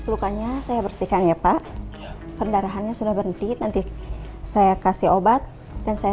lukanya saya bersihkan ya pak pendarahannya sudah berhenti nanti saya kasih obat dan saya